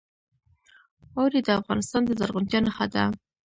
اوړي د افغانستان د زرغونتیا نښه ده.